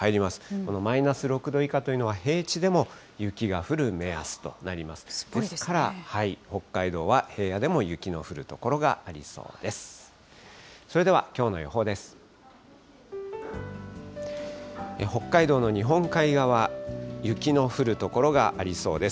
このマイナス６度以下というのは、平地でも雪が降る目安となりますから、ですから北海道は平野でも雪の降る所がありそうです。